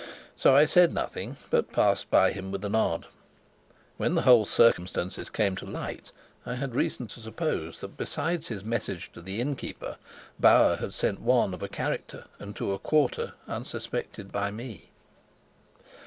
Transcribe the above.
So I said nothing, but passed by him with a nod. When the whole circumstances came to light, I had reason to suppose that besides his message to the inn keeper, Bauer sent one of a character and to a quarter unsuspected by me.